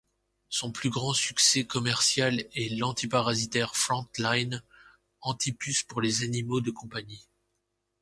Son plus grand succès commercial est l'anti-parasitaire Frontline, anti-puces pour les animaux de compagnie.